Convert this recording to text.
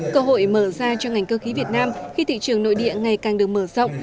cơ hội mở ra cho ngành cơ khí việt nam khi thị trường nội địa ngày càng được mở rộng